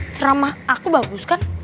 ceramah aku bagus kan